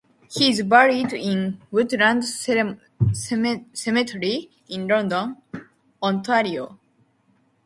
He is buried in Woodland Cemetery in London, Ontario.